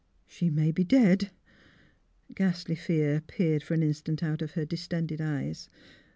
She may be — dead." Ghastly fear peered for an instant out of her distended eyes.